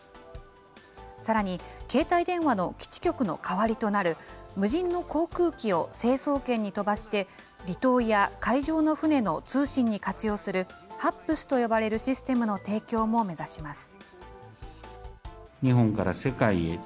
さらに、携帯電話の基地局の代わりとなる無人の航空機を成層圏に飛ばして、離島や海上の船の通信に活用するＨＡＰＳと呼ばれるシステムの提供も目指します。